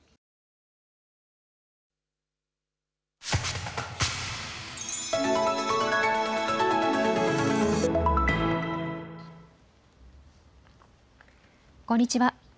こんにちは。